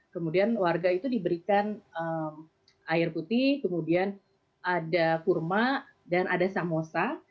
kemudian warga itu diberikan air putih kemudian ada kurma dan ada samosa